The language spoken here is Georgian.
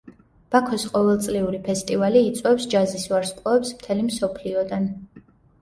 ბაქოს ყოველწლიური ფესტივალი იწვევს ჯაზის ვარსკვლავებს მთელი მსოფლიოდან.